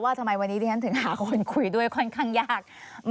ทำไมวันนี้ที่ฉันถึงหาคนคุยด้วยค่อนข้างยาก